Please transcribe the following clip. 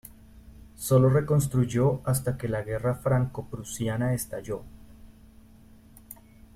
Sólo reconstruyó hasta que la Guerra Franco-prusiana estalló.